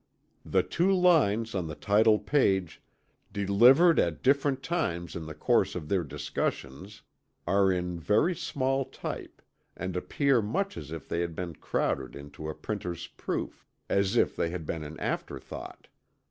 The two lines on the title page, "Delivered at different Times in the course of their Discussions," are in very small type and appear much as if they had been crowded into a printer's proof as if they had been an afterthought.